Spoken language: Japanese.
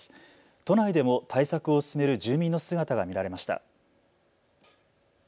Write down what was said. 都内でも対策を進める住民の姿が見られました。